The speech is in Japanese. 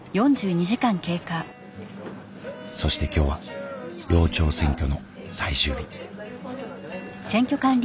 そして今日は寮長選挙の最終日。